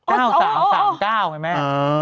๓๙ไหมแม่